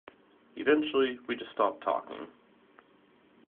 Eventually we just stopped talking.